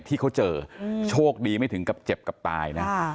ที่เขาเจอโชคดีไม่ถึงกับเจ็บกับตายนะ